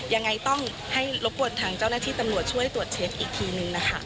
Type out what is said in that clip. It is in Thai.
ยังไงต้องให้รบกวนทางเจ้าหน้าที่ตำรวจช่วยตรวจเช็คอีกทีนึงนะคะ